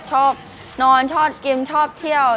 ชอบนอนชอบกินชอบเที่ยว